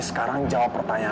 sama siapa dia